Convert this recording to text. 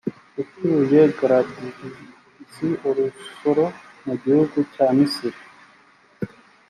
utuye gradsvei oslo mu gihugu cya misiri